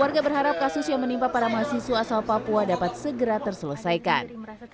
warga berharap kasus yang menimpa para mahasiswa asal papua dapat segera terselesaikan